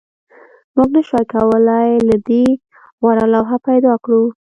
موږ نشوای کولی له دې غوره لوحه پیدا کړو